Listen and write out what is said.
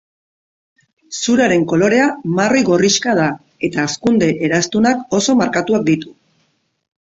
Zuraren kolorea marroi-gorrixka da, eta hazkunde eraztunak oso markatuak ditu.